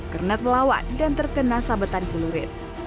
kernet melawan dan terkena sabetan celurit